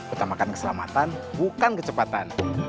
utamakan keselamatan bukan kecepatan